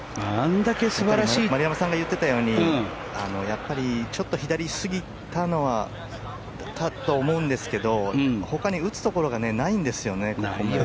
丸山さんが言ってたようにやっぱり、ちょっと左すぎたと思うんですけど他に打つところがないんですよね。